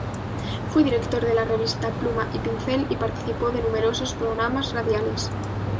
Fue director de la revista "Pluma y Pincel" y participó de numerosos programas radiales.